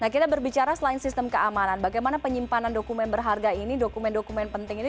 nah kita berbicara selain sistem keamanan bagaimana penyimpanan dokumen berharga ini dokumen dokumen penting ini